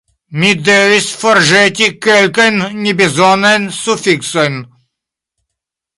Mi devis forĵeti kelkajn nebezonajn sufiksojn.